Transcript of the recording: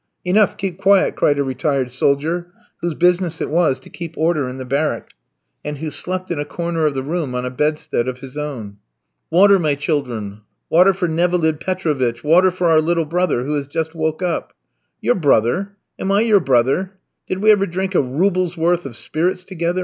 "Enough, keep quiet," cried a retired soldier, whose business it was to keep order in the barrack, and who slept in a corner of the room on a bedstead of his own. "Water, my children, water for Nevalid Petrovitch, water for our little brother, who has just woke up." "Your brother! Am I your brother? Did we ever drink a roublesworth of spirits together?"